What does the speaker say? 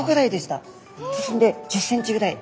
１０ｃｍぐらい。